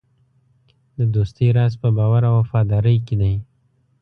د دوستۍ راز په باور او وفادارۍ کې دی.